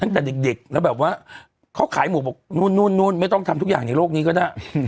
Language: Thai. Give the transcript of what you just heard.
ตั้งแต่เด็กแล้วแบบว่าเขาขายหมูบอกนู่นไม่ต้องทำทุกอย่างในโลกนี้ก็ได้